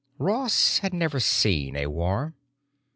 Ross had never seen a war.